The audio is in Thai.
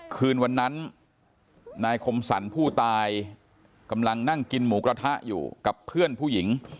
คืนวันนั้นนายคมสรรผู้ตายกำลังนั่งกินหมูกระทะอยู่กับเพื่อนผู้หญิง